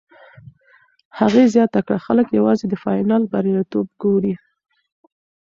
هغې زیاته کړه، خلک یوازې د فاینل بریالیتوب ګوري.